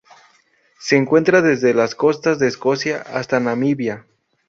Se encuentra desde las costas de Escocia hasta Namibia.